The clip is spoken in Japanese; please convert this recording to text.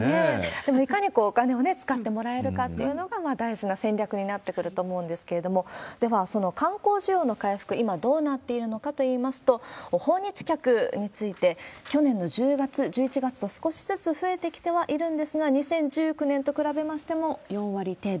でも、いかにお金を使ってもらえるかっていうのが、大事な戦略になってくると思うんですけれども、では、その観光需要の回復、今どうなっているのかといいますと、訪日客について、去年の１０月、１１月と、少しずつ増えてきてはいるんですが、２０１９年と比べましても４割程度。